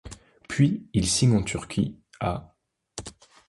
Puis, il signe en Turquie, à l'.